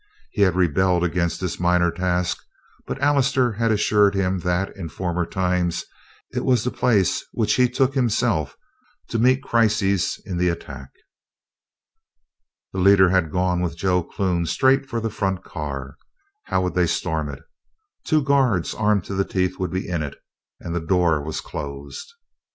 He had rebelled against this minor task, but Allister had assured him that, in former times, it was the place which he took himself to meet crises in the attack. The leader had gone with Joe Clune straight for the front car. How would they storm it? Two guards, armed to the teeth, would be in it, and the door was closed.